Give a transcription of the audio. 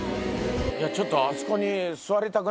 ちょっとあそこに。